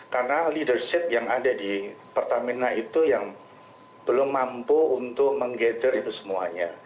karena leadership yang ada di pertamina itu yang belum mampu untuk meng gather itu semuanya